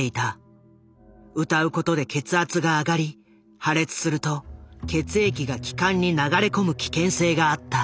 歌う事で血圧が上がり破裂すると血液が気管に流れ込む危険性があった。